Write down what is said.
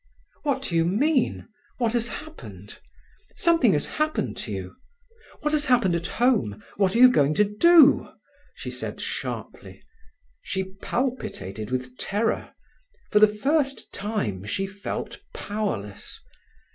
"What do you mean? What has happened? Something has happened to you. What has happened at home? What are you going to do?" she said sharply. She palpitated with terror. For the first time she felt powerless.